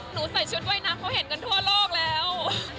ใส่ชุดว่ายน้ำเขาเห็นกันทั่วโลกแล้ว